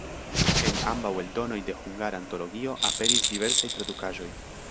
En ambaŭ eldonoj de Hungara Antologio aperis diversaj tradukaĵoj.